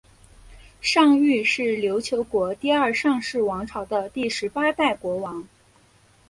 尚育是琉球国第二尚氏王朝的第十八代国王。